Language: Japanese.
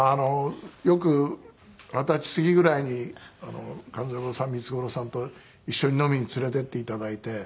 よく二十歳過ぎぐらいに勘三郎さん三津五郎さんと一緒に飲みに連れて行って頂いて。